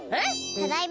ただいま？